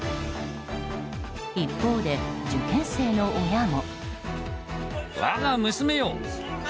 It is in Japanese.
一方で、受験生の親も。